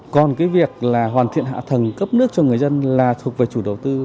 còn cái việc là hoàn thiện hạ tầng cấp nước cho người dân là thuộc về chủ đầu tư